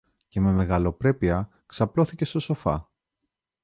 Και με μεγαλοπρέπεια ξαπλώθηκε στο σοφά.